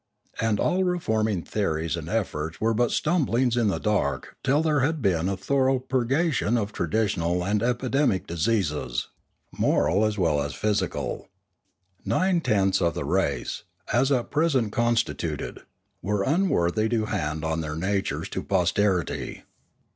And all re forming theories and efforts were but stumblings in the dark till there had been a thorough purgation of traditional and epidemic diseases, moral as well as phy Another Threat 5°5 sical. Nine tenths of the race, as at present consti tuted, were unworthy to hand on their natures to posterity.